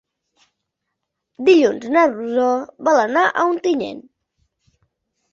Dilluns na Rosó vol anar a Ontinyent.